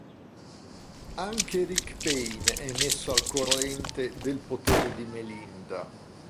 Anche Rick Payne è messo al corrente del potere di Melinda.